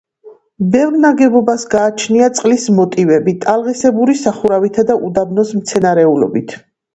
ბევრ ნაგებობას გააჩნია წყლის მოტივები, ტალღისებური სახურავითა და უდაბნოს მცენარეულობით.